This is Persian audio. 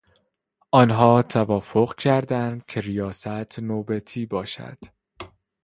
آنها توافق کردند که ریاست نوبتی باشد.